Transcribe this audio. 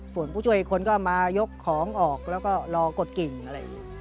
ส่วนผู้ช่วยอีกคนก็มายกของออกแล้วก็รอกดกิ่งอะไรอย่างนี้